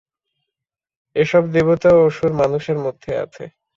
এ-সব দেবতা ও অসুর মানুষের মধ্যে আছে।